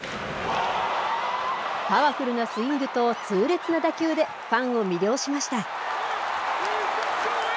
パワフルなスイングと痛烈な打球で、ファンを魅了しました。